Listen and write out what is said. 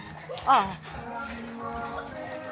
ああ。